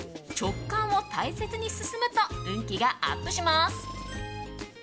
直感を大切に進むと運気がアップします。